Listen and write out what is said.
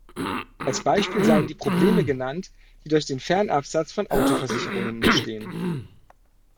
Als Beispiel seien die Probleme genannt, die durch den Fernabsatz von Autoversicherungen entstehen.